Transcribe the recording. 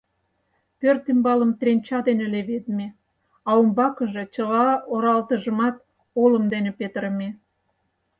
Пӧрт ӱмбалым тренча дене леведме, а умбакыже чыла оралтыжымат олым дене петырыме.